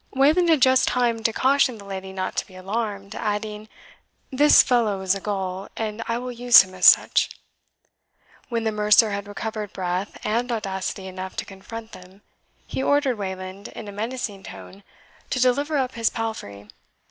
Wayland had just time to caution the lady not to be alarmed, adding, "This fellow is a gull, and I will use him as such." When the mercer had recovered breath and audacity enough to confront them, he ordered Wayland, in a menacing tone, to deliver up his palfrey.